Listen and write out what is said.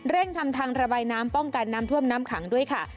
ทำทางระบายน้ำป้องกันน้ำท่วมน้ำขังด้วยค่ะ